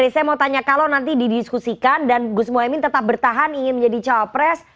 saya mau tanya kalau nanti didiskusikan dan gus muhaymin tetap bertahan ingin menjadi cawapres